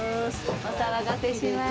お騒がせします。